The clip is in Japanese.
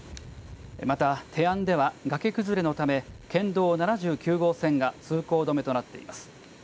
また手安では崖崩れのため県道７９号線が通行止めとなっています。